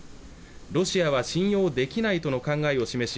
ロシアは信用できないとの考えを示し